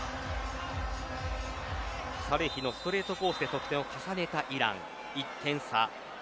サレヒのストレートコースで得点を重ねたイラン。